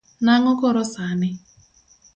Nang’o koro sani?